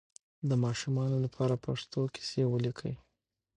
د ماشومانو لپاره پښتو کیسې ولیکئ.